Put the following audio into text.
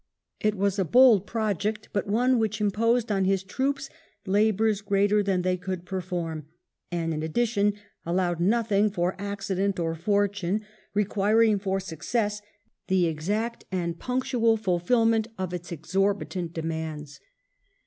It was a bold project^ but one which imposed on his troops labours greater than they could perform, and in addition allowed nothing for accident or fortune, requiring, for success, the exact and punctual fulfilment of its exorbitant demands.